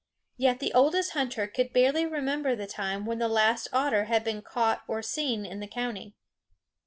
Yet the oldest hunter could barely remember the time when the last otter had been caught or seen in the county.